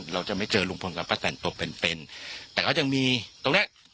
เราจะไม่เจอลุงพลกับป้าแตนตัวเป็นเป็นแต่เขายังมีตรงเนี้ย